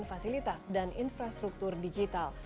fasilitas dan infrastruktur digital